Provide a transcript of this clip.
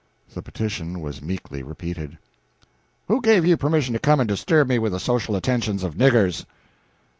The petition was meekly repeated. "Who gave you permission to come and disturb me with the social attentions of niggers?"